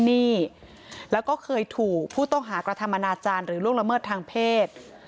หนี้แล้วก็เคยถูกผู้ต้องหากระทำอนาจารย์หรือล่วงละเมิดทางเพศ